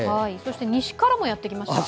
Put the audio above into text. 西からもやってきますか？